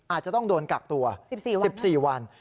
อาจจะต้องโดนกักตัว๑๔วัน